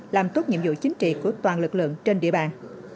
làm tốt nhiệm vụ chính trị của toàn lực lượng trên địa bàn